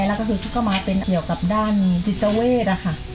แล้วก็คือก็มาเป็นเกี่ยวกับด้านจิตเวทอะค่ะ